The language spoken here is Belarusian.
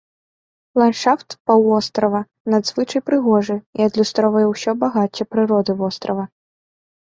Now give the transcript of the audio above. Ландшафт паўвострава надзвычай прыгожы і адлюстроўвае ўсё багацце прыроды вострава.